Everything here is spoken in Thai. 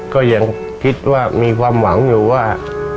ก็ยังคิดว่ามีความหวังอยู่ว่า